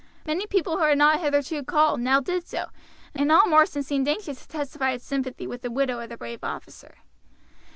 Many people who had not hitherto called now did so, and all Marsden seemed anxious to testify its sympathy with the widow of the brave officer.